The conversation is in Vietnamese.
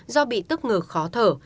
do bị tức ngược khó thở